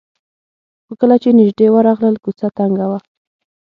خو کله چې نژدې ورغلل کوڅه تنګه وه.